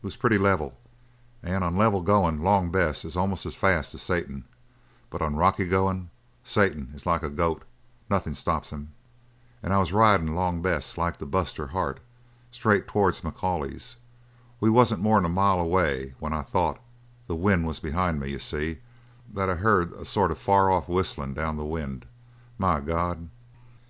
It was pretty level, and on level goin' Long Bess is almost as fast as Satan; but on rocky goin' Satan is like a goat nothin' stops him! And I was ridin' Long Bess like to bust her heart, straight towards McCauley's. We wasn't more'n a mile away when I thought the wind was behind me, you see that I heard a sort of far off whistling down the wind! My God!"